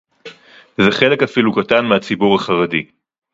זה חלק אפילו קטן מהציבור החרדי